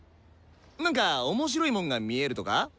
なんか面白いもんが見えるとか？